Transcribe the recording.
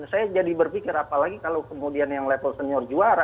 saya jadi berpikir apalagi kalau kemudian yang level senior juara